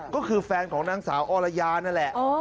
ก็คือแฟนของนางสาวอรยานั่นแหละ